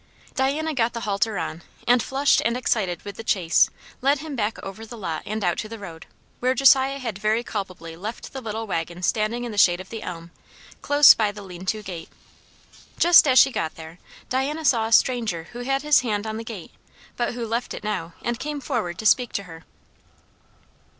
Diana got the halter on, and, flushed and excited with the chase, led him back over the lot and out to the road, where Josiah had very culpably left the little waggon standing in the shade of the elm, close by the lean to gate. Just as she got there, Diana saw a stranger who had his hand on the gate, but who left it now and came forward to speak to her.